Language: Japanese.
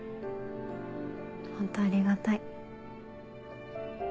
ホントありがたい。